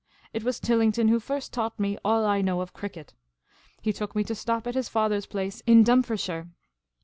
It was Tillington who first taught me all I know of cricket. He took me to stop at his father's place in Dumfriesshire.